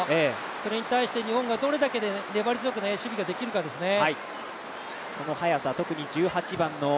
それに対して日本がどれだけ粘り強く守備ができるかですね。